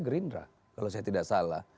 gerindra kalau saya tidak salah